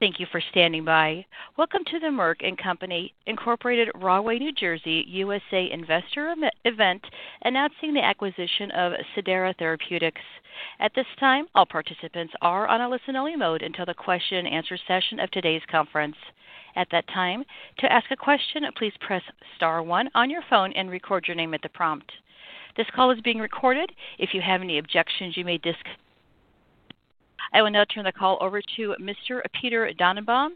Thank you for standing by. Welcome to the Merck & Company Incorporated, Rahway, New Jersey, U.S.A. investor event announcing the acquisition of Cidara Therapeutics. At this time, all participants are on a listen-only mode until the question-and-answer session of today's conference. At that time, to ask a question, please press star one on your phone and record your name at the prompt. This call is being recorded. If you have any objections, you may disconnect. I will now turn the call over to Mr. Peter Dannenbaum,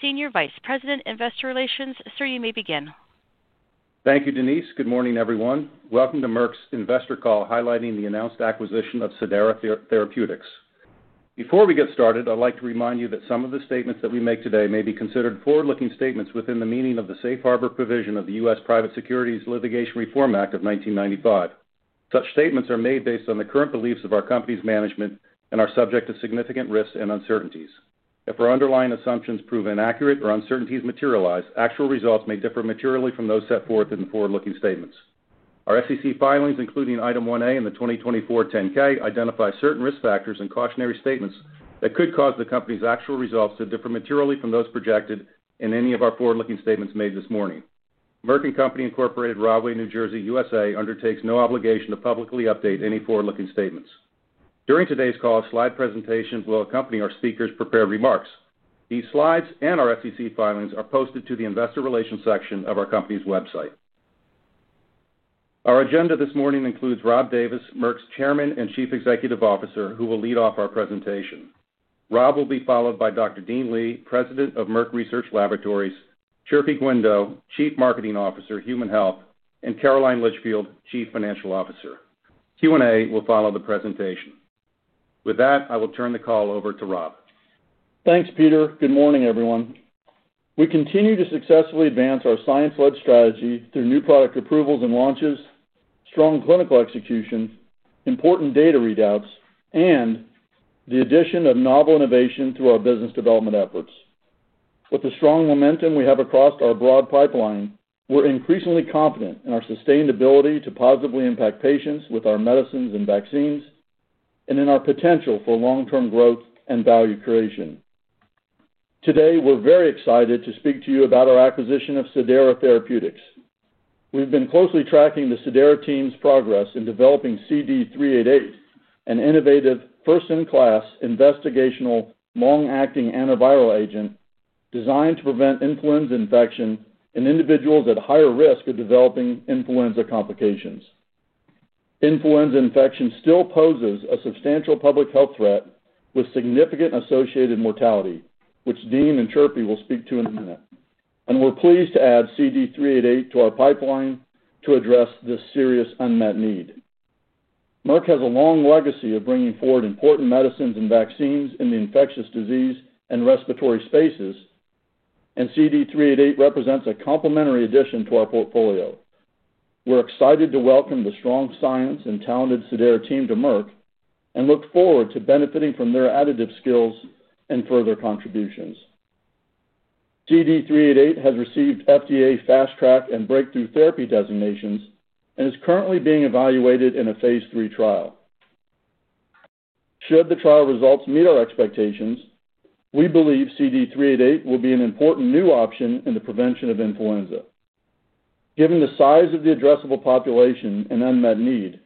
Senior Vice President, Investor Relations. Sir, you may begin. Thank you, Denise. Good morning, everyone. Welcome to Merck's investor call highlighting the announced acquisition of Cidara Therapeutics. Before we get started, I'd like to remind you that some of the statements that we make today may be considered forward-looking statements within the meaning of the Safe Harbor Provision of the U.S. Private Securities Litigation Reform Act of 1995. Such statements are made based on the current beliefs of our company's management and are subject to significant risks and uncertainties. If our underlying assumptions prove inaccurate or uncertainties materialize, actual results may differ materially from those set forth in the forward-looking statements. Our SEC filings, including item 1A in the 2024 10-K, identify certain risk factors and cautionary statements that could cause the company's actual results to differ materially from those projected in any of our forward-looking statements made this morning. Merck & Company Incorporated, Rahway, New Jersey, U.S.A., undertakes no obligation to publicly update any forward-looking statements. During today's call, slide presentations will accompany our speakers' prepared remarks. These slides and our SEC filings are posted to the investor relations section of our company's website. Our agenda this morning includes Rob Davis, Merck's Chairman and Chief Executive Officer, who will lead off our presentation. Rob will be followed by Dr. Dean Li, President of Merck Research Laboratories, Chirfi Guindo, Chief Marketing Officer, Human Health, and Caroline Litchfield, Chief Financial Officer. Q&A will follow the presentation. With that, I will turn the call over to Rob. Thanks, Peter. Good morning, everyone. We continue to successfully advance our science-led strategy through new product approvals and launches, strong clinical execution, important data readouts, and the addition of novel innovation through our business development efforts. With the strong momentum we have across our broad pipeline, we're increasingly confident in our sustainability to positively impact patients with our medicines and vaccines, and in our potential for long-term growth and value creation. Today, we're very excited to speak to you about our acquisition of Cidara Therapeutics. We've been closely tracking the Cidara team's progress in developing CD388, an innovative, first-in-class investigational long-acting antiviral agent designed to prevent influenza infection in individuals at higher risk of developing influenza complications. Influenza infection still poses a substantial public health threat with significant associated mortality, which Dean and Chirfi will speak to in a minute. We're pleased to add CD388 to our pipeline to address this serious unmet need. Merck has a long legacy of bringing forward important medicines and vaccines in the infectious disease and respiratory spaces, and CD388 represents a complementary addition to our portfolio. We're excited to welcome the strong science and talented Cidara team to Merck and look forward to benefiting from their additive skills and further contributions. CD388 has received FDA fast-track and breakthrough therapy designations and is currently being evaluated in a phase III trial. Should the trial results meet our expectations, we believe CD388 will be an important new option in the prevention of influenza. Given the size of the addressable population and unmet need,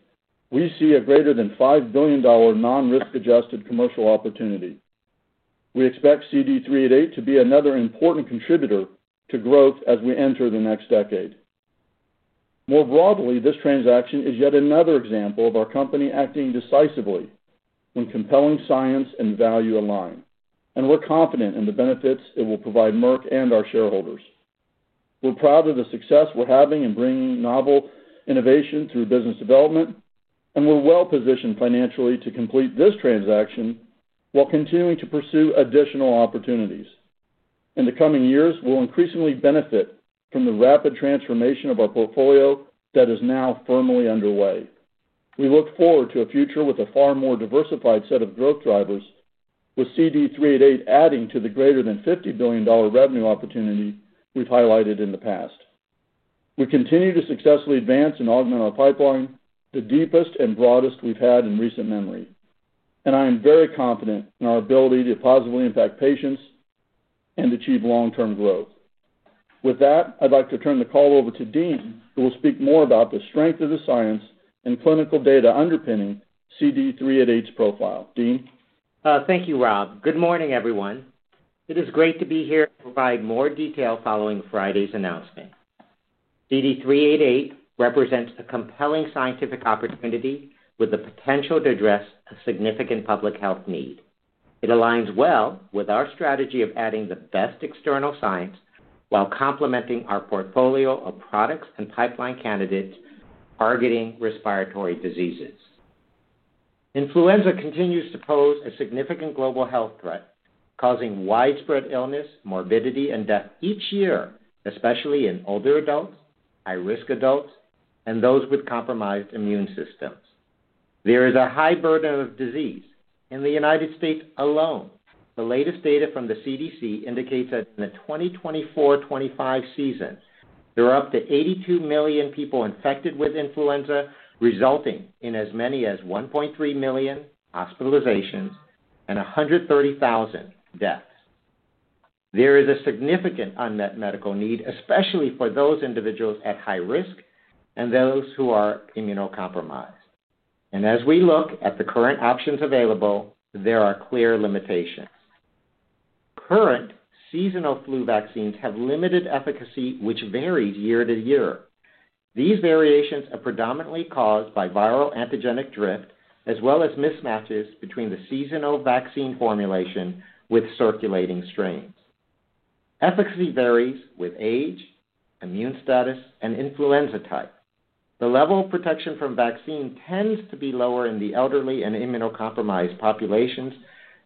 we see a greater than $5 billion non-risk-adjusted commercial opportunity. We expect CD388 to be another important contributor to growth as we enter the next decade. More broadly, this transaction is yet another example of our company acting decisively when compelling science and value align, and we're confident in the benefits it will provide Merck and our shareholders. We're proud of the success we're having in bringing novel innovation through business development, and we're well-positioned financially to complete this transaction while continuing to pursue additional opportunities. In the coming years, we'll increasingly benefit from the rapid transformation of our portfolio that is now firmly underway. We look forward to a future with a far more diversified set of growth drivers, with CD388 adding to the greater than $50 billion revenue opportunity we've highlighted in the past. We continue to successfully advance and augment our pipeline, the deepest and broadest we've had in recent memory, and I am very confident in our ability to positively impact patients and achieve long-term growth. With that, I'd like to turn the call over to Dean, who will speak more about the strength of the science and clinical data underpinning CD388's profile. Dean. Thank you, Rob. Good morning, everyone. It is great to be here to provide more detail following Friday's announcement. CD388 represents a compelling scientific opportunity with the potential to address a significant public health need. It aligns well with our strategy of adding the best external science while complementing our portfolio of products and pipeline candidates targeting respiratory diseases. Influenza continues to pose a significant global health threat, causing widespread illness, morbidity, and death each year, especially in older adults, high-risk adults, and those with compromised immune systems. There is a high burden of disease in the United States alone. The latest data from the CDC indicates that in the 2024-2025 season, there are up to 82 million people infected with influenza, resulting in as many as 1.3 million hospitalizations and 130,000 deaths. There is a significant unmet medical need, especially for those individuals at high risk and those who are immunocompromised. As we look at the current options available, there are clear limitations. Current seasonal flu vaccines have limited efficacy, which varies year to year. These variations are predominantly caused by viral antigenic drift, as well as mismatches between the seasonal vaccine formulation with circulating strains. Efficacy varies with age, immune status, and influenza type. The level of protection from vaccine tends to be lower in the elderly and immunocompromised populations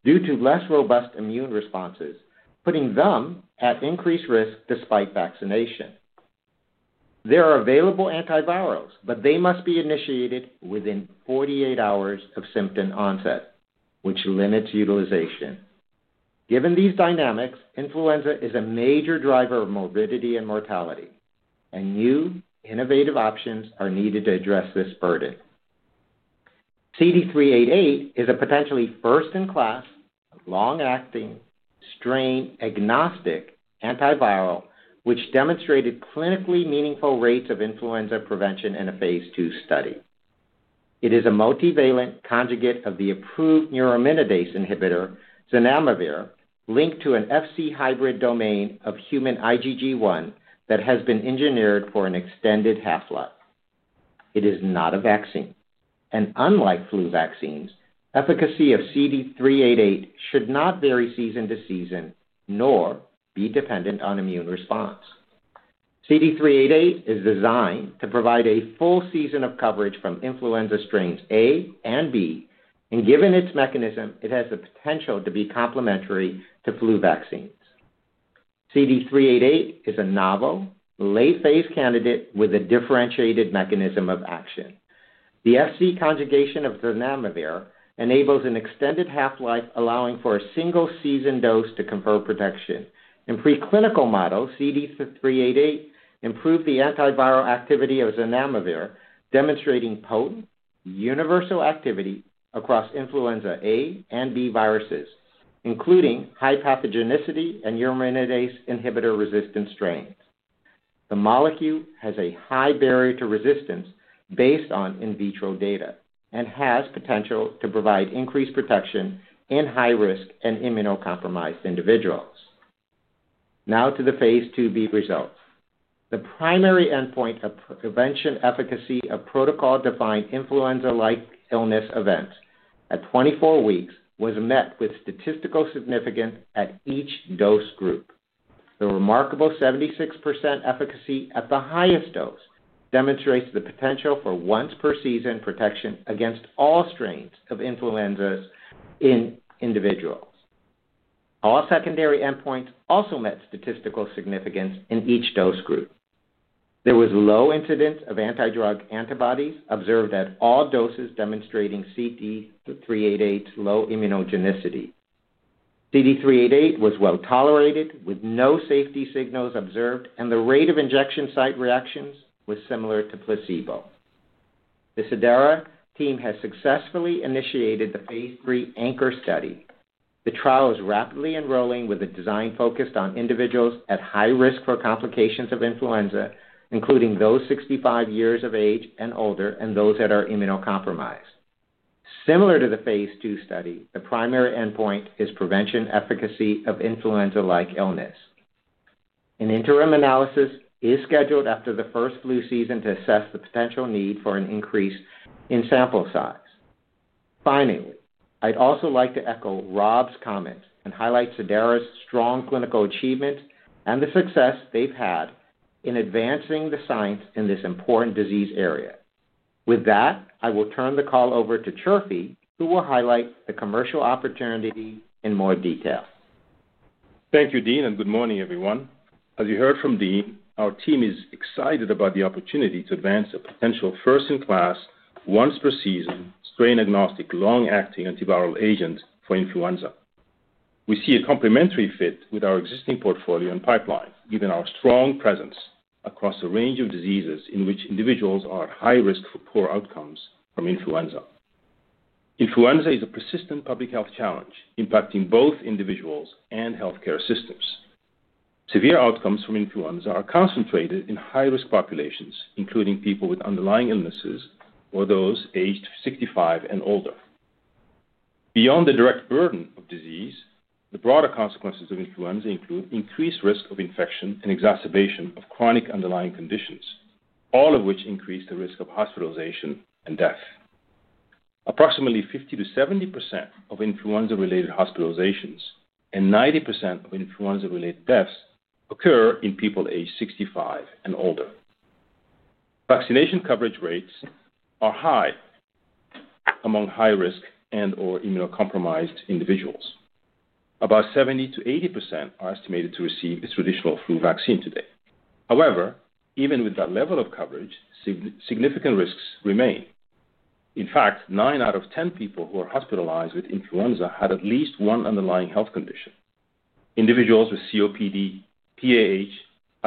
due to less robust immune responses, putting them at increased risk despite vaccination. There are available antivirals, but they must be initiated within 48 hours of symptom onset, which limits utilization. Given these dynamics, influenza is a major driver of morbidity and mortality, and new innovative options are needed to address this burden. CD388 is a potentially first-in-class, long-acting, strain-agnostic antiviral, which demonstrated clinically meaningful rates of influenza prevention in a phase II study. It is a multivalent conjugate of the approved neuraminidase inhibitor, Zanamivir, linked to an FC hybrid domain of human IgG1 that has been engineered for an extended half-life. It is not a vaccine. Unlike flu vaccines, efficacy of CD388 should not vary season to season nor be dependent on immune response. CD388 is designed to provide a full season of coverage from influenza strains A and B, and given its mechanism, it has the potential to be complementary to flu vaccines. CD388 is a novel, late-phase candidate with a differentiated mechanism of action. The FC conjugation of Zanamivir enables an extended half-life, allowing for a single-season dose to confer protection. In preclinical models, CD388 improved the antiviral activity of Zanamivir, demonstrating potent universal activity across influenza A and B viruses, including high pathogenicity and neuraminidase inhibitor-resistant strains. The molecule has a high barrier to resistance based on in vitro data and has potential to provide increased protection in high-risk and immunocompromised individuals. Now to the phase II B results. The primary endpoint of prevention efficacy of protocol-defined influenza-like illness events at 24 weeks was met with statistical significance at each dose group. The remarkable 76% efficacy at the highest dose demonstrates the potential for once-per-season protection against all strains of influenza in individuals. All secondary endpoints also met statistical significance in each dose group. There was low incidence of antidrug antibodies observed at all doses demonstrating CD388's low immunogenicity. CD388 was well tolerated, with no safety signals observed, and the rate of injection site reactions was similar to placebo. The Cidara team has successfully initiated the phase III anchor study. The trial is rapidly enrolling with a design focused on individuals at high risk for complications of influenza, including those 65 years of age and older and those that are immunocompromised. Similar to the phase II study, the primary endpoint is prevention efficacy of influenza-like illness. An interim analysis is scheduled after the first flu season to assess the potential need for an increase in sample size. Finally, I'd also like to echo Rob's comments and highlight Cidara's strong clinical achievements and the success they've had in advancing the science in this important disease area. With that, I will turn the call over to Chirfi, who will highlight the commercial opportunity in more detail. Thank you, Dean, and good morning, everyone. As you heard from Dean, our team is excited about the opportunity to advance a potential first-in-class, once-per-season, strain-agnostic, long-acting antiviral agent for influenza. We see a complementary fit with our existing portfolio and pipeline, given our strong presence across a range of diseases in which individuals are at high risk for poor outcomes from influenza. Influenza is a persistent public health challenge impacting both individuals and healthcare systems. Severe outcomes from influenza are concentrated in high-risk populations, including people with underlying illnesses or those aged 65 and older. Beyond the direct burden of disease, the broader consequences of influenza include increased risk of infection and exacerbation of chronic underlying conditions, all of which increase the risk of hospitalization and death. Approximately 50%-70% of influenza-related hospitalizations and 90% of influenza-related deaths occur in people aged 65 and older. Vaccination coverage rates are high among high-risk and/or immunocompromised individuals. About 70%-80% are estimated to receive this traditional flu vaccine today. However, even with that level of coverage, significant risks remain. In fact, 9 out of 10 people who are hospitalized with influenza had at least one underlying health condition. Individuals with COPD, PAH,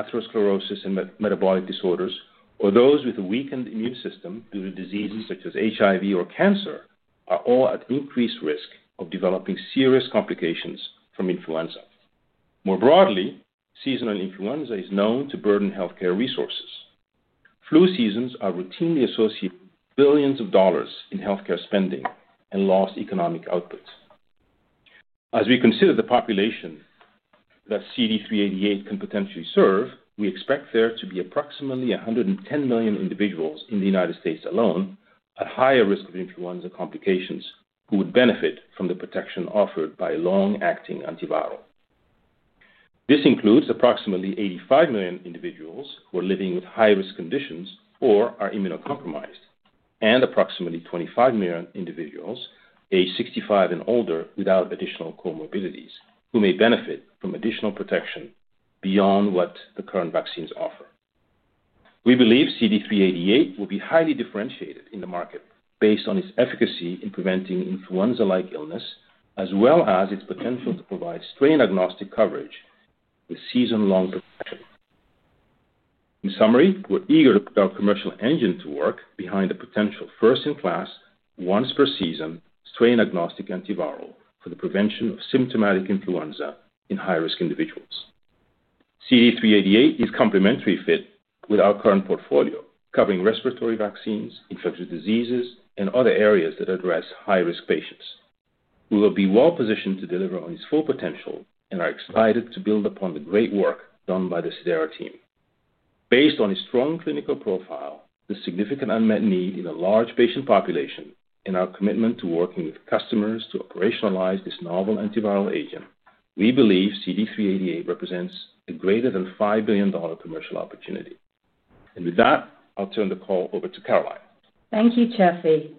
atherosclerosis, and metabolic disorders, or those with a weakened immune system due to diseases such as HIV or cancer, are all at increased risk of developing serious complications from influenza. More broadly, seasonal influenza is known to burden healthcare resources. Flu seasons are routinely associated with billions of dollars in healthcare spending and lost economic output. As we consider the population that CD388 can potentially serve, we expect there to be approximately 110 million individuals in the United States alone at higher risk of influenza complications who would benefit from the protection offered by a long-acting antiviral. This includes approximately 85 million individuals who are living with high-risk conditions or are immunocompromised, and approximately 25 million individuals, aged 65 and older without additional comorbidities, who may benefit from additional protection beyond what the current vaccines offer. We believe CD388 will be highly differentiated in the market based on its efficacy in preventing influenza-like illness, as well as its potential to provide strain-agnostic coverage with season-long protection. In summary, we're eager to put our commercial engine to work behind a potential first-in-class, once-per-season, strain-agnostic antiviral for the prevention of symptomatic influenza in high-risk individuals. CD388 is a complementary fit with our current portfolio, covering respiratory vaccines, infectious diseases, and other areas that address high-risk patients. We will be well-positioned to deliver on its full potential and are excited to build upon the great work done by the Cidara team. Based on its strong clinical profile, the significant unmet need in a large patient population, and our commitment to working with customers to operationalize this novel antiviral agent, we believe CD388 represents a greater than $5 billion commercial opportunity. With that, I'll turn the call over to Caroline. Thank you, Chirfi.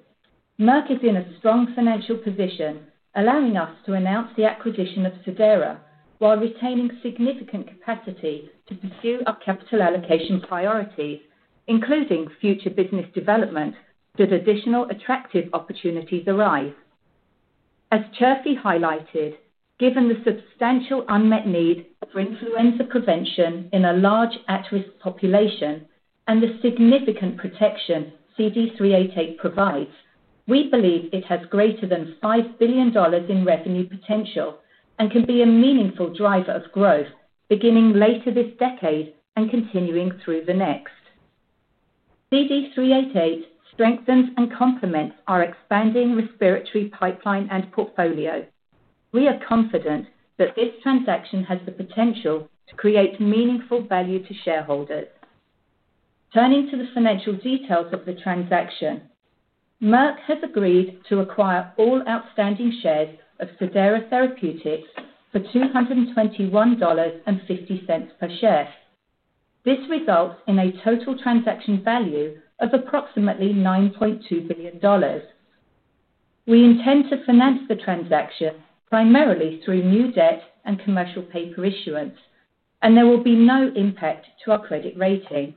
Merck is in a strong financial position, allowing us to announce the acquisition of Cidara while retaining significant capacity to pursue our capital allocation priorities, including future business development should additional attractive opportunities arise. As Chirfi highlighted, given the substantial unmet need for influenza prevention in a large at-risk population and the significant protection CD388 provides, we believe it has greater than $5 billion in revenue potential and can be a meaningful driver of growth, beginning later this decade and continuing through the next. CD388 strengthens and complements our expanding respiratory pipeline and portfolio. We are confident that this transaction has the potential to create meaningful value to shareholders. Turning to the financial details of the transaction, Merck has agreed to acquire all outstanding shares of Cidara Therapeutics for $221.50 per share. This results in a total transaction value of approximately $9.2 billion. We intend to finance the transaction primarily through new debt and commercial paper issuance, and there will be no impact to our credit rating.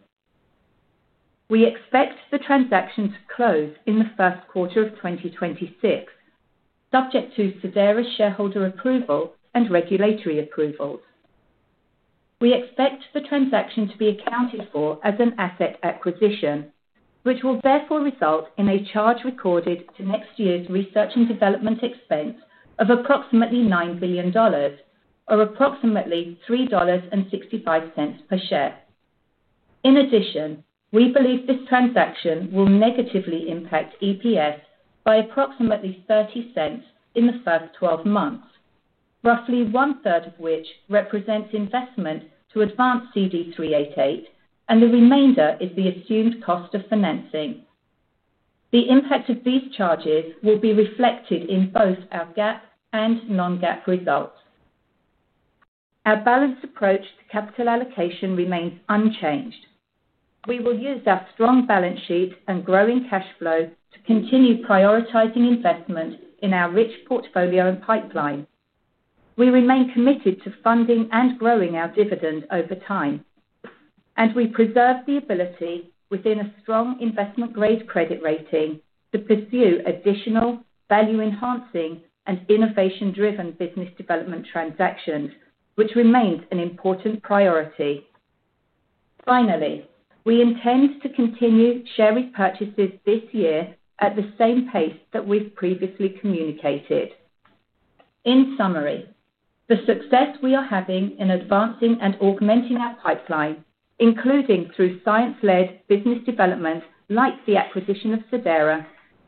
We expect the transaction to close in the first quarter of 2026, subject to Cidara's shareholder approval and regulatory approvals. We expect the transaction to be accounted for as an asset acquisition, which will therefore result in a charge recorded to next year's research and development expense of approximately $9 billion, or approximately $3.65 per share. In addition, we believe this transaction will negatively impact EPS by approximately $0.30 in the first 12 months, roughly one-third of which represents investment to advance CD388, and the remainder is the assumed cost of financing. The impact of these charges will be reflected in both our GAAP and non-GAAP results. Our balanced approach to capital allocation remains unchanged. We will use our strong balance sheet and growing cash flow to continue prioritizing investment in our rich portfolio and pipeline. We remain committed to funding and growing our dividend over time, and we preserve the ability, within a strong investment-grade credit rating, to pursue additional value-enhancing and innovation-driven business development transactions, which remains an important priority. Finally, we intend to continue share repurchases this year at the same pace that we've previously communicated. In summary, the success we are having in advancing and augmenting our pipeline, including through science-led business development like the acquisition of Cidara,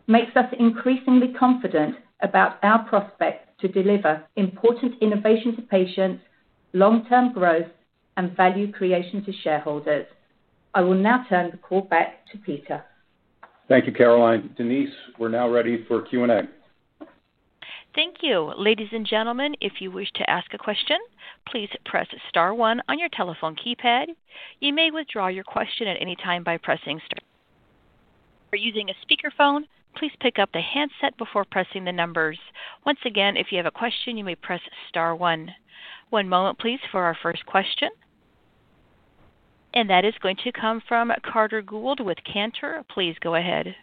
makes us increasingly confident about our prospects to deliver important innovation to patients, long-term growth, and value creation to shareholders. I will now turn the call back to Peter. Thank you, Caroline. Denise, we're now ready for Q&A. Thank you. Ladies and gentlemen, if you wish to ask a question, please press star one on your telephone keypad. You may withdraw your question at any time by pressing star. If you're using a speakerphone, please pick up the handset before pressing the numbers. Once again, if you have a question, you may press star one. One moment, please, for our first question. That is going to come from Carter Gould with Cantor. Please go ahead.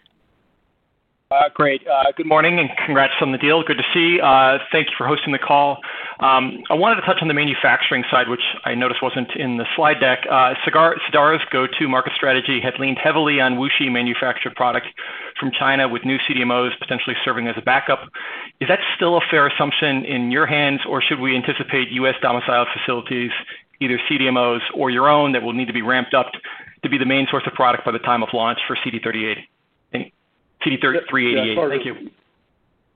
Great. Good morning and congrats on the deal. Good to see you. Thank you for hosting the call. I wanted to touch on the manufacturing side, which I noticed was not in the slide deck. Cidara's go-to market strategy had leaned heavily on WuXi-manufactured products from China with new CDMOs potentially serving as a backup. Is that still a fair assumption in your hands, or should we anticipate U.S. domiciled facilities, either CDMOs or your own, that will need to be ramped up to be the main source of product by the time of launch for CD388? Thank you.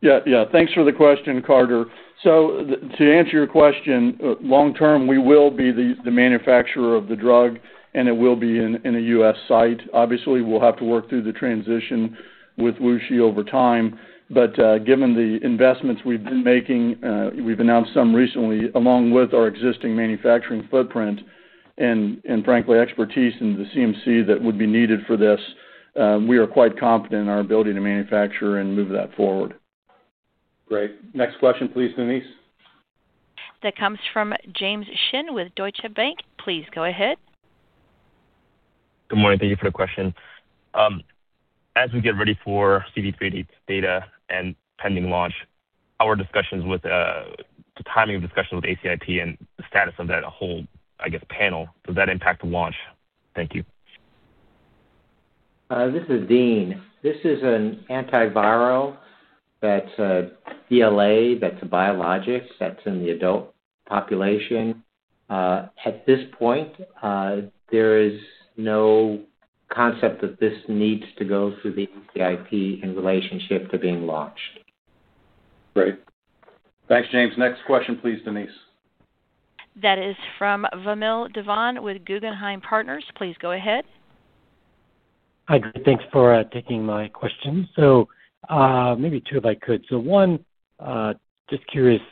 Yeah, yeah. Thanks for the question, Carter. To answer your question, long-term, we will be the manufacturer of the drug, and it will be in a U.S. site. Obviously, we'll have to work through the transition with WuXi over time. Given the investments we've been making, we've announced some recently, along with our existing manufacturing footprint and, frankly, expertise in the CMC that would be needed for this, we are quite confident in our ability to manufacture and move that forward. Great. Next question, please, Denise. That comes from James Shin with Deutsche Bank. Please go ahead. Good morning. Thank you for the question. As we get ready for CD388's data and pending launch, our discussions with the timing of discussions with ACIP and the status of that whole, I guess, panel, does that impact launch? Thank you. This is Dean. This is an antiviral that's DLA, that's a biologic that's in the adult population. At this point, there is no concept that this needs to go through the ACIP in relationship to being launched. Great. Thanks, James. Next question, please, Denise. That is from Vamil Divan with Guggenheim Partners. Please go ahead. Hi, great. Thanks for taking my question. Maybe two if I could. One, just curious,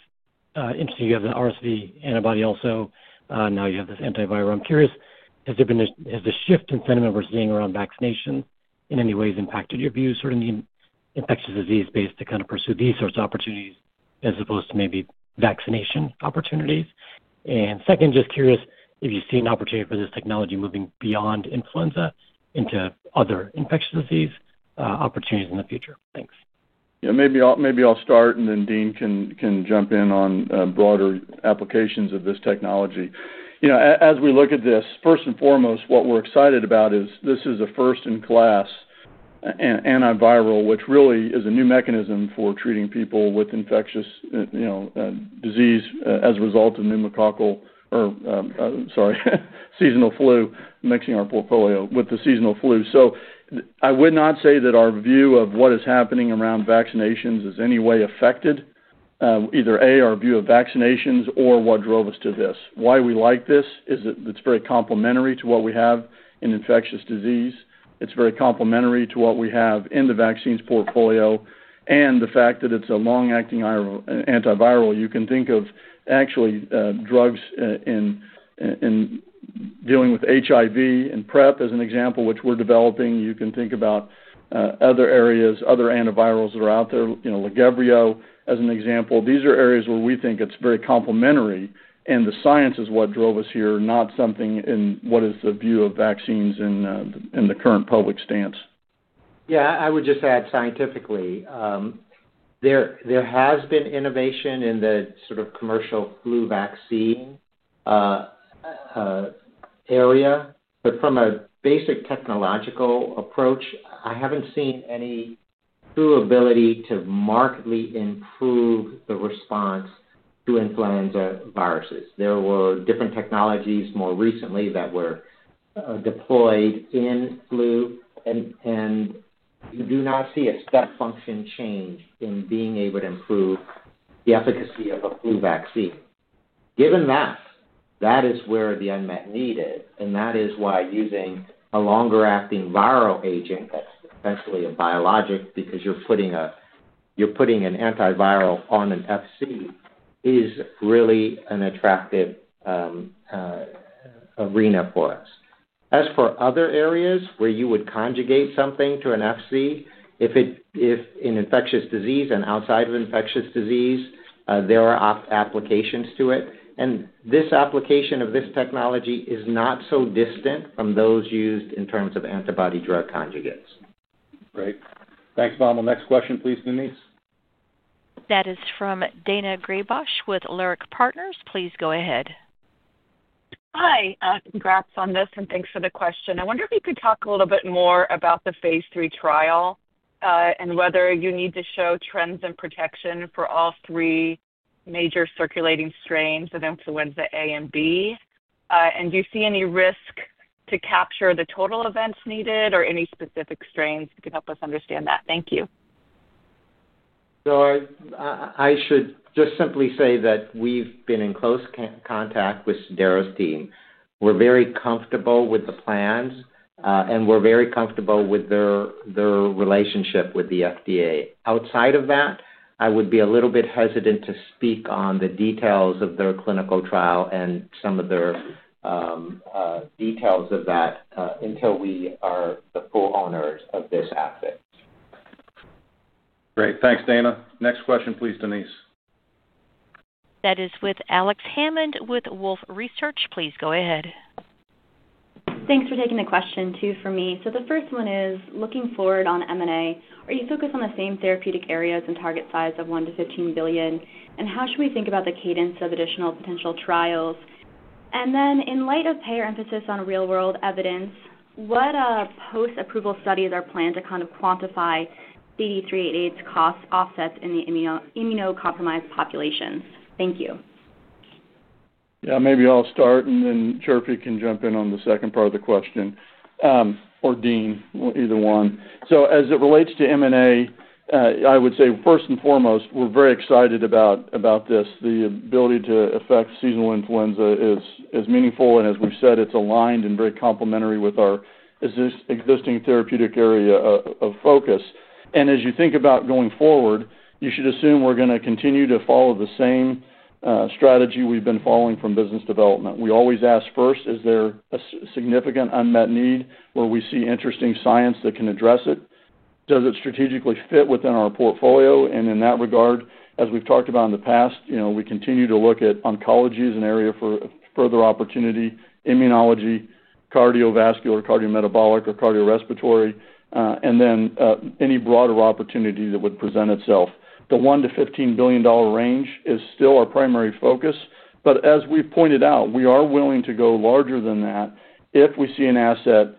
interestingly, you have the RSV antibody also. Now you have this antiviral. I'm curious, has the shift in sentiment we're seeing around vaccination in any way impacted your views, sort of the infectious disease base, to kind of pursue these sorts of opportunities as opposed to maybe vaccination opportunities? Second, just curious if you see an opportunity for this technology moving beyond influenza into other infectious disease opportunities in the future. Thanks. Yeah, maybe I'll start, and then Dean can jump in on broader applications of this technology. As we look at this, first and foremost, what we're excited about is this is a first-in-class antiviral, which really is a new mechanism for treating people with infectious disease as a result of pneumococcal or, sorry, seasonal flu, mixing our portfolio with the seasonal flu. I would not say that our view of what is happening around vaccinations is in any way affected, either A, our view of vaccinations or what drove us to this. Why we like this is that it's very complementary to what we have in infectious disease. It's very complementary to what we have in the vaccines portfolio. The fact that it's a long-acting antiviral, you can think of actually drugs in dealing with HIV and PrEP as an example, which we're developing. You can think about other areas, other antivirals that are out there, Lagevrio as an example. These are areas where we think it's very complementary, and the science is what drove us here, not something in what is the view of vaccines in the current public stance. Yeah, I would just add scientifically, there has been innovation in the sort of commercial flu vaccine area, but from a basic technological approach, I haven't seen any true ability to markedly improve the response to influenza viruses. There were different technologies more recently that were deployed in flu, and you do not see a step function change in being able to improve the efficacy of a flu vaccine. Given that, that is where the unmet need is, and that is why using a longer-acting viral agent that's essentially a biologic because you're putting an antiviral on an FC is really an attractive arena for us. As for other areas where you would conjugate something to an FC, if in infectious disease and outside of infectious disease, there are applications to it. This application of this technology is not so distant from those used in terms of antibody drug conjugates. Great. Thanks, Vamil. Next question, please, Denise. That is from Daina Graybosh with Leerink Partners. Please go ahead. Hi. Congrats on this, and thanks for the question. I wonder if you could talk a little bit more about the phase III trial and whether you need to show trends in protection for all three major circulating strains of influenza A and B. Do you see any risk to capture the total events needed or any specific strains? You could help us understand that. Thank you. I should just simply say that we've been in close contact with Cidara's team. We're very comfortable with the plans, and we're very comfortable with their relationship with the FDA. Outside of that, I would be a little bit hesitant to speak on the details of their clinical trial and some of the details of that until we are the full owners of this asset. Great. Thanks, Daina. Next question, please, Denise. That is with Alex Hammond with Wolfe Research. Please go ahead. Thanks for taking the question too for me. The first one is, looking forward on M&A, are you focused on the same therapeutic areas and target size of $1 billion-$15 billion? How should we think about the cadence of additional potential trials? In light of payer emphasis on real-world evidence, what post-approval studies are planned to kind of quantify CD388's cost offsets in the immunocompromised populations? Thank you. Yeah, maybe I'll start, and then Chirfi can jump in on the second part of the question, or Dean, either one. As it relates to M&A, I would say first and foremost, we're very excited about this. The ability to affect seasonal influenza is meaningful, and as we've said, it's aligned and very complementary with our existing therapeutic area of focus. As you think about going forward, you should assume we're going to continue to follow the same strategy we've been following from business development. We always ask first, is there a significant unmet need where we see interesting science that can address it? Does it strategically fit within our portfolio? In that regard, as we've talked about in the past, we continue to look at oncology as an area for further opportunity, immunology, cardiovascular, cardiometabolic, or cardiorespiratory, and then any broader opportunity that would present itself. The $1 billion-$15 billion range is still our primary focus, but as we've pointed out, we are willing to go larger than that if we see an asset that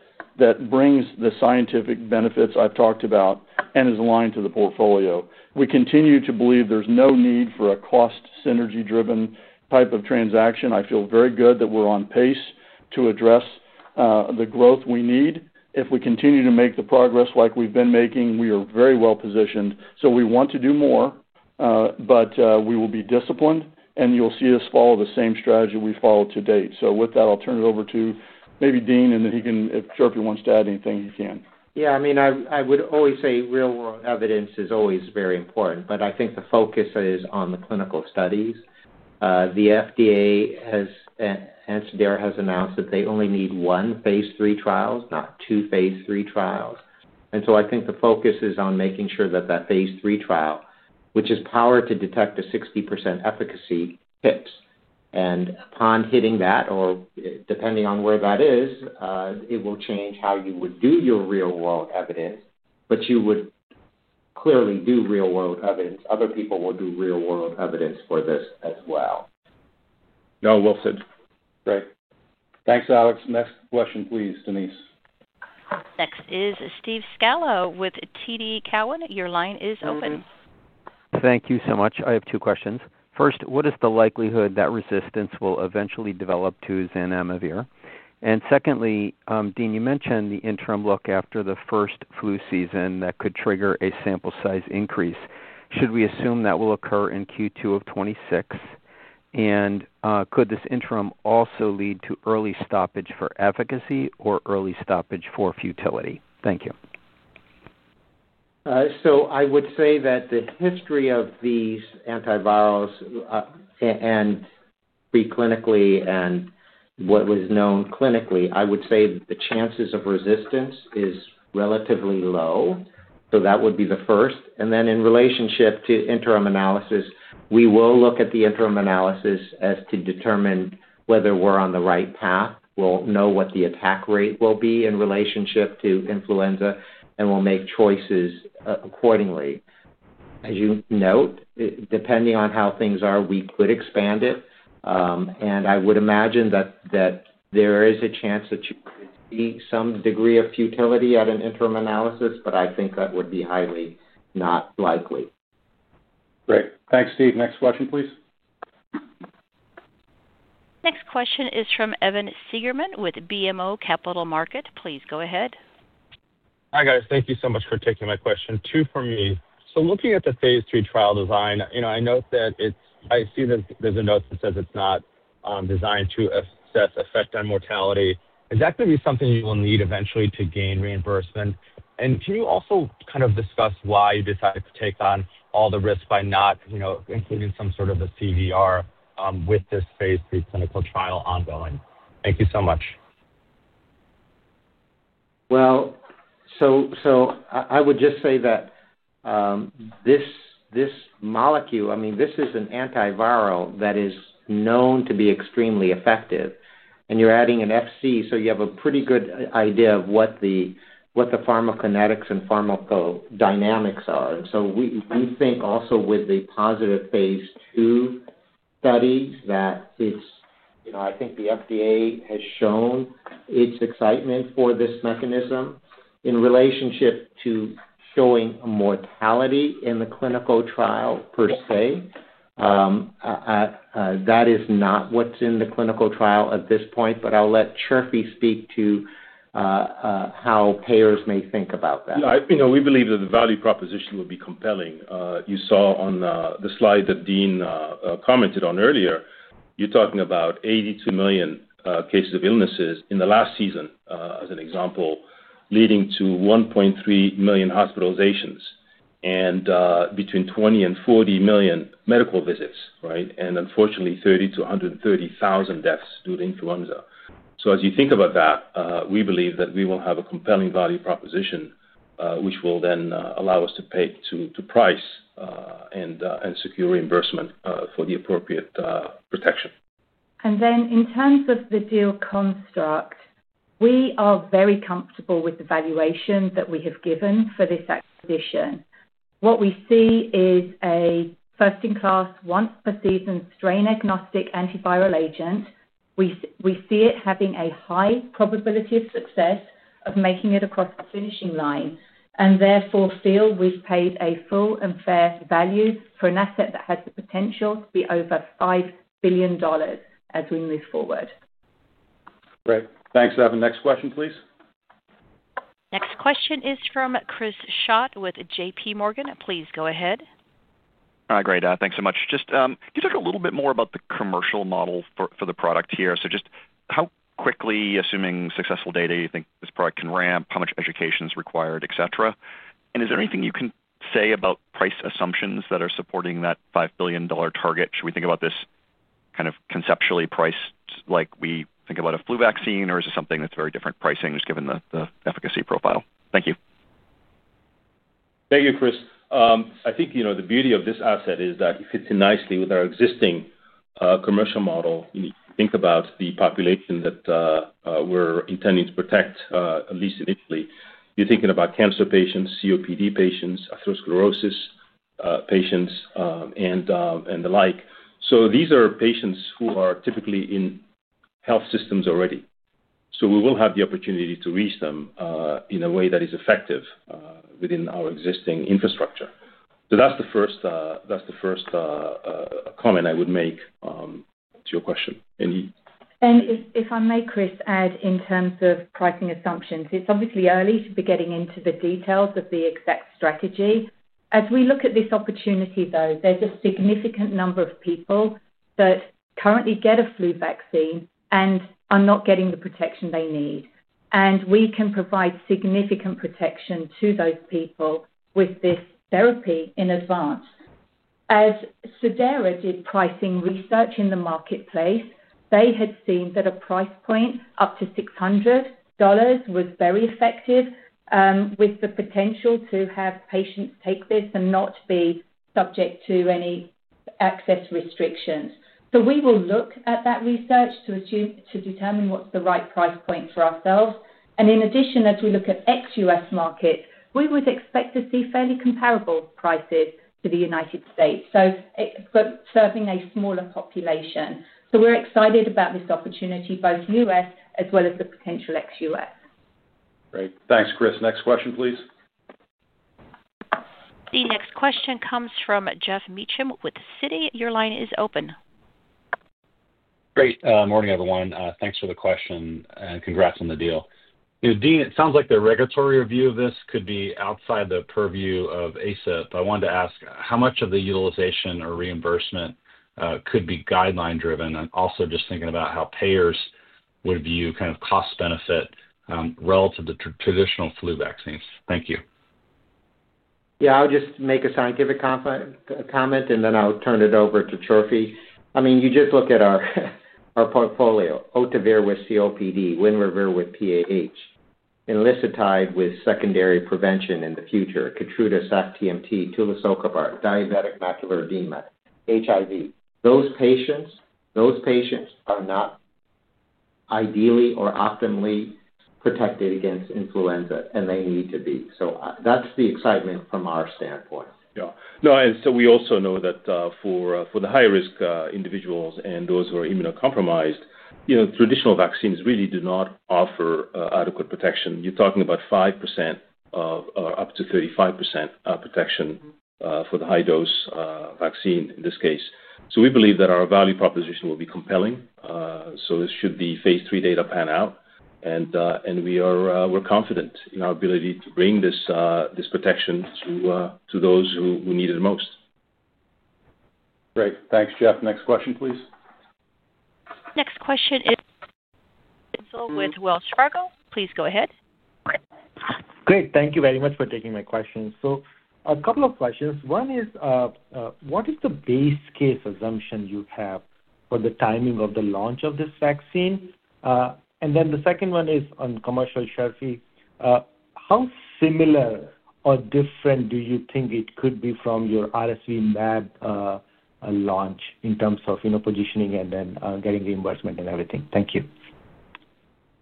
brings the scientific benefits I've talked about and is aligned to the portfolio. We continue to believe there's no need for a cost synergy-driven type of transaction. I feel very good that we're on pace to address the growth we need. If we continue to make the progress like we've been making, we are very well positioned. We want to do more, but we will be disciplined, and you'll see us follow the same strategy we've followed to date. With that, I'll turn it over to maybe Dean, and then he can, if Chirfi wants to add anything, he can. Yeah, I mean, I would always say real-world evidence is always very important, but I think the focus is on the clinical studies. The FDA and Cidara have announced that they only need one phase III trial, not two phase III trials. I think the focus is on making sure that that phase III trial, which is powered to detect a 60% efficacy, hits. Upon hitting that, or depending on where that is, it will change how you would do your real-world evidence, but you would clearly do real-world evidence. Other people will do real-world evidence for this as well. No, well said. Thanks, Alex. Next question, please, Denise. Next is Steve Scala with TD Cowen. Your line is open. Thank you so much. I have two questions. First, what is the likelihood that resistance will eventually develop to Zanamivir? Secondly, Dean, you mentioned the interim look after the first flu season that could trigger a sample size increase. Should we assume that will occur in Q2 of 2026? Could this interim also lead to early stoppage for efficacy or early stoppage for futility? Thank you. I would say that the history of these antivirals and preclinically and what was known clinically, I would say that the chances of resistance is relatively low. That would be the first. In relationship to interim analysis, we will look at the interim analysis as to determine whether we're on the right path. We'll know what the attack rate will be in relationship to influenza, and we'll make choices accordingly. As you note, depending on how things are, we could expand it. I would imagine that there is a chance that you could see some degree of futility at an interim analysis, but I think that would be highly not likely. Great. Thanks, Steve. Next question, please. Next question is from Evan Seigerman with BMO Capital Markets. Please go ahead. Hi, guys. Thank you so much for taking my question. Two for me. Looking at the phase III trial design, I note that there's a note that says it's not designed to assess effect on mortality. Is that going to be something you will need eventually to gain reimbursement? Can you also kind of discuss why you decided to take on all the risk by not including some sort of a CVR with this phase III clinical trial ongoing? Thank you so much. I would just say that this molecule, I mean, this is an antiviral that is known to be extremely effective. You're adding an FC, so you have a pretty good idea of what the pharmacokinetics and pharmacodynamics are. We think also with the positive phase II studies that it's—I think the FDA has shown its excitement for this mechanism in relationship to showing a mortality in the clinical trial per se. That is not what's in the clinical trial at this point, but I'll let Chirfi speak to how payers may think about that. Yeah, we believe that the value proposition would be compelling. You saw on the slide that Dean commented on earlier, you're talking about 82 million cases of illnesses in the last season as an example, leading to 1.3 million hospitalizations and between 20 and 40 million medical visits, right? Unfortunately, 30-130,000 deaths due to influenza. As you think about that, we believe that we will have a compelling value proposition which will then allow us to price and secure reimbursement for the appropriate protection. In terms of the deal construct, we are very comfortable with the valuation that we have given for this acquisition. What we see is a first-in-class, once-per-season strain-agnostic antiviral agent. We see it having a high probability of success of making it across the finishing line and therefore feel we've paid a full and fair value for an asset that has the potential to be over $5 billion as we move forward. Great. Thanks, Evan. Next question, please. Next question is from Chris Schott with J.P. Morgan. Please go ahead. Hi, great. Thanks so much. Just can you talk a little bit more about the commercial model for the product here? Just how quickly, assuming successful data, do you think this product can ramp? How much education is required, etc.? Is there anything you can say about price assumptions that are supporting that $5 billion target? Should we think about this kind of conceptually priced like we think about a flu vaccine, or is it something that's very different pricing just given the efficacy profile? Thank you. Thank you, Chris. I think the beauty of this asset is that it fits in nicely with our existing commercial model. You think about the population that we're intending to protect, at least initially. You're thinking about cancer patients, COPD patients, atherosclerosis patients, and the like. These are patients who are typically in health systems already. We will have the opportunity to reach them in a way that is effective within our existing infrastructure. That's the first comment I would make to your question. If I may, Chris, add in terms of pricing assumptions, it's obviously early to be getting into the details of the exact strategy. As we look at this opportunity, though, there's a significant number of people that currently get a flu vaccine and are not getting the protection they need. We can provide significant protection to those people with this therapy in advance. As Cidara did pricing research in the marketplace, they had seen that a price point up to $600 was very effective with the potential to have patients take this and not be subject to any access restrictions. We will look at that research to determine what's the right price point for ourselves. In addition, as we look at ex-U.S. markets, we would expect to see fairly comparable prices to the United States, serving a smaller population. We're excited about this opportunity, both U.S. as well as the potential ex-U.S. Great. Thanks, Chris. Next question, please. The next question comes from Geoff Meacham with Citi. Your line is open. Great. Morning, everyone. Thanks for the question, and congrats on the deal. Dean, it sounds like the regulatory review of this could be outside the purview of ACIP. I wanted to ask how much of the utilization or reimbursement could be guideline-driven? Also just thinking about how payers would view kind of cost benefit relative to traditional flu vaccines. Thank you. Yeah, I'll just make a scientific comment, and then I'll turn it over to Chirfi. I mean, you just look at our portfolio: Ohtuvayre with COPD, WINREVAIR with PAH, Enlicitide with secondary prevention in the future, KEYTRUDA Sac-TMT, Tulisokibart, diabetic macular edema, HIV. Those patients are not ideally or optimally protected against influenza, and they need to be. That is the excitement from our standpoint. Yeah. No, and we also know that for the high-risk individuals and those who are immunocompromised, traditional vaccines really do not offer adequate protection. You're talking about 5% or up to 35% protection for the high-dose vaccine in this case. We believe that our value proposition will be compelling. Should this phase III data pan out, we're confident in our ability to bring this protection to those who need it most. Great. Thanks, Geoff. Next question, please. Next question is from Denzel with Wells Fargo. Please go ahead. Great. Thank you very much for taking my questions. So a couple of questions. One is, what is the base case assumption you have for the timing of the launch of this vaccine? And then the second one is on commercial, Chirfi. How similar or different do you think it could be from your RSV-mAb launch in terms of positioning and then getting reimbursement and everything? Thank you.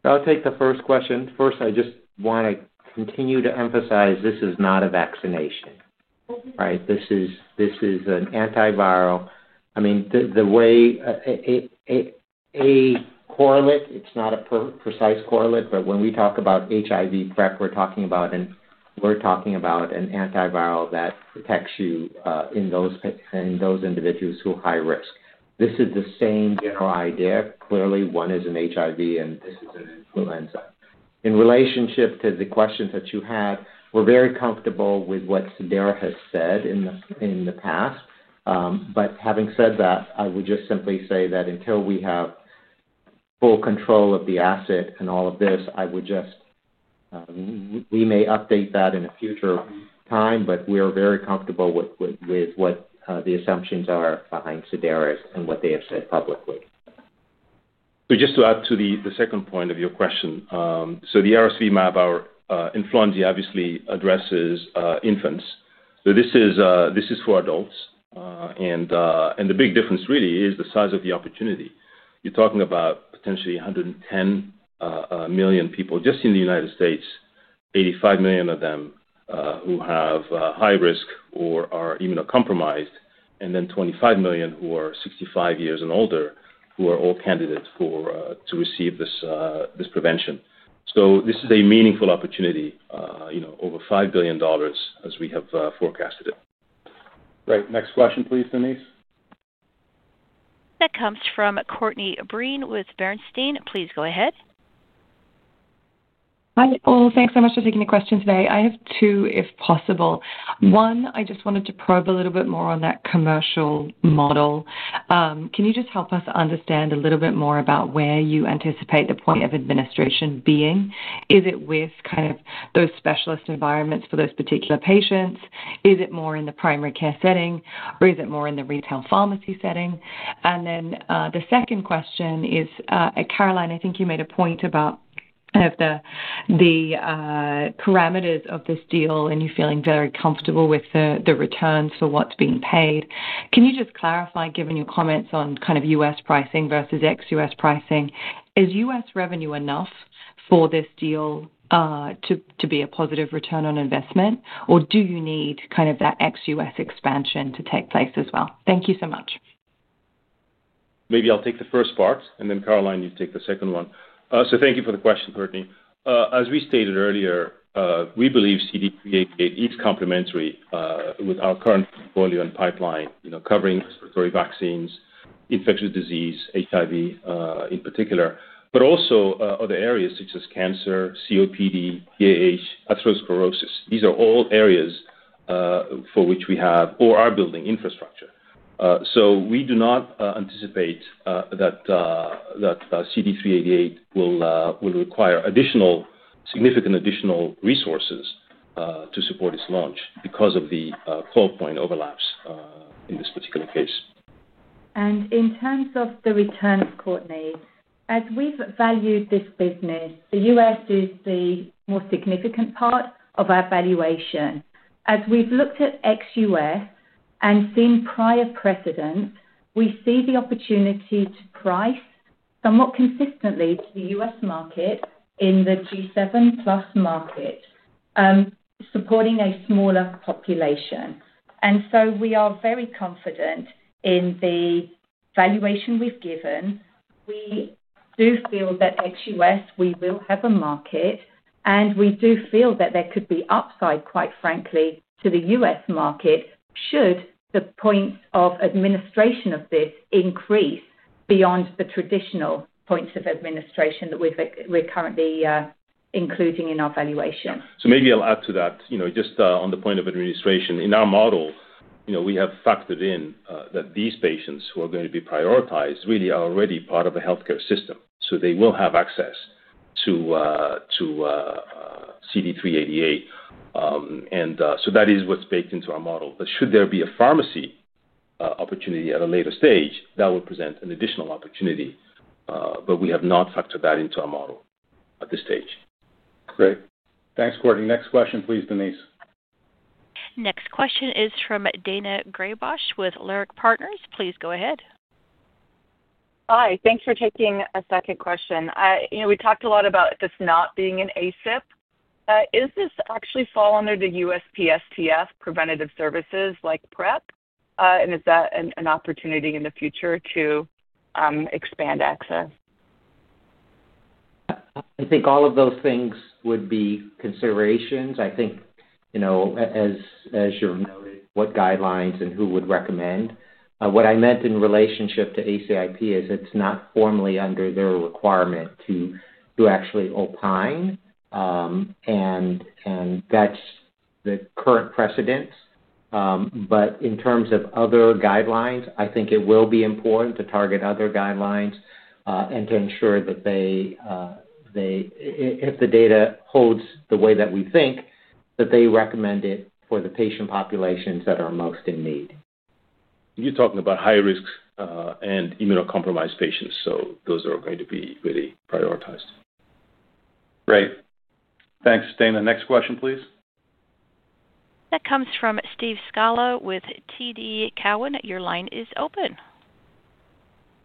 I'll take the first question. First, I just want to continue to emphasize this is not a vaccination, right? This is an antiviral. I mean, the way I correlate, it's not a precise correlate, but when we talk about HIV, we're talking about an antiviral that protects you in those individuals who are high risk. This is the same general idea. Clearly, one is an HIV, and this is an influenza. In relationship to the questions that you had, we're very comfortable with what Cidara has said in the past. Having said that, I would just simply say that until we have full control of the asset and all of this, I would just—we may update that in a future time, but we are very comfortable with what the assumptions are behind Cidara and what they have said publicly. Just to add to the second point of your question, the RSV-mAb, our influenza, obviously addresses infants. This is for adults. The big difference really is the size of the opportunity. You're talking about potentially 110 million people just in the United States, 85 million of them who have high risk or are immunocompromised, and then 25 million who are 65 years and older who are all candidates to receive this prevention. This is a meaningful opportunity, over $5 billion as we have forecasted it. Great. Next question, please, Denise. That comes from Courtney Breen with Bernstein. Please go ahead. Hi, all. Thanks so much for taking the question today. I have two, if possible. One, I just wanted to probe a little bit more on that commercial model. Can you just help us understand a little bit more about where you anticipate the point of administration being? Is it with kind of those specialist environments for those particular patients? Is it more in the primary care setting, or is it more in the retail pharmacy setting? The second question is, Caroline, I think you made a point about kind of the parameters of this deal and you feeling very comfortable with the returns for what's being paid. Can you just clarify, given your comments on kind of U.S. pricing versus ex-U.S. pricing, is U.S. revenue enough for this deal to be a positive return on investment, or do you need kind of that ex-U.S. expansion to take place as well? Thank you so much. Maybe I'll take the first part, and then Caroline, you take the second one. Thank you for the question, Courtney. As we stated earlier, we believe CD388 is complementary with our current portfolio and pipeline covering respiratory vaccines, infectious disease, HIV in particular, but also other areas such as cancer, COPD, PAH, atherosclerosis. These are all areas for which we have or are building infrastructure. We do not anticipate that CD388 will require significant additional resources to support its launch because of the core point overlaps in this particular case. In terms of the returns, Courtney, as we've valued this business, the U.S. is the more significant part of our valuation. As we've looked at ex-U.S. and seen prior precedents, we see the opportunity to price somewhat consistently to the U.S. market in the G7 plus market, supporting a smaller population. We are very confident in the valuation we've given. We do feel that ex-U.S., we will have a market, and we do feel that there could be upside, quite frankly, to the U.S. market should the points of administration of this increase beyond the traditional points of administration that we're currently including in our valuation. Maybe I'll add to that. Just on the point of administration, in our model, we have factored in that these patients who are going to be prioritized really are already part of the healthcare system. They will have access to CD388. That is what's baked into our model. Should there be a pharmacy opportunity at a later stage, that would present an additional opportunity. We have not factored that into our model at this stage. Great. Thanks, Courtney. Next question, please, Denise. Next question is from Daina Graybosh with Leerink Partners. Please go ahead. Hi. Thanks for taking a second question. We talked a lot about this not being an ACIP. Does this actually fall under the USPSTF, Preventive Services like PrEP? Is that an opportunity in the future to expand access? I think all of those things would be considerations. I think, as you've noted, what guidelines and who would recommend. What I meant in relationship to ACIP is it's not formally under their requirement to actually opine. That is the current precedent. In terms of other guidelines, I think it will be important to target other guidelines and to ensure that if the data holds the way that we think, that they recommend it for the patient populations that are most in need. You're talking about high-risk and immunocompromised patients. Those are going to be really prioritized. Great. Thanks, Daina. Next question, please. That comes from Steve Scala with TD Cowen. Your line is open.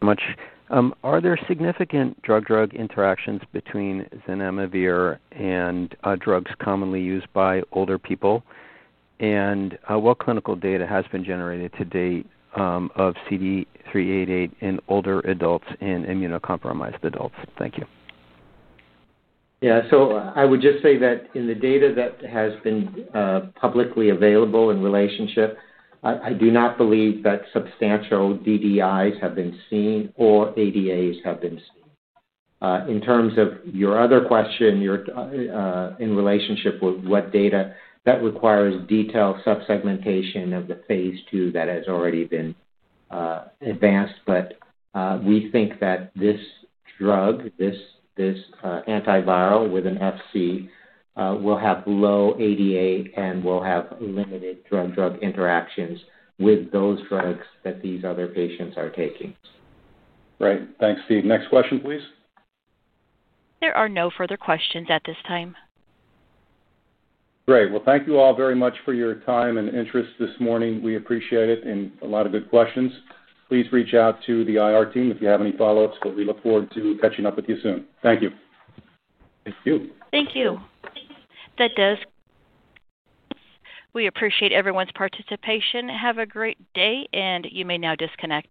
Thank you very much. Are there significant drug-drug interactions between Zanamivir and drugs commonly used by older people? What clinical data has been generated to date of CD388 in older adults and immunocompromised adults? Thank you. Yeah. I would just say that in the data that has been publicly available in relationship, I do not believe that substantial DDIs have been seen or ADAs have been seen. In terms of your other question, in relationship with what data, that requires detailed subsegmentation of the phase II that has already been advanced. We think that this drug, this antiviral with an FC, will have low ADA and will have limited drug-drug interactions with those drugs that these other patients are taking. Great. Thanks, Steve. Next question, please. There are no further questions at this time. Great. Thank you all very much for your time and interest this morning. We appreciate it and a lot of good questions. Please reach out to the IR team if you have any follow-ups, but we look forward to catching up with you soon. Thank you. Thank you. Thank you. That does it. We appreciate everyone's participation. Have a great day, and you may now disconnect.